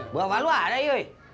bapak lo ada yoi